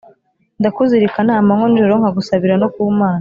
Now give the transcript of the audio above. Ndakuzirikana amanywa n’ijoro, Nkagusabira no ku Mana,